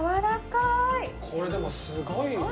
これでもすごいよね。